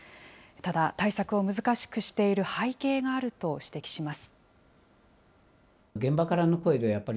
ただ、対策を難しくしている背景があると指摘します。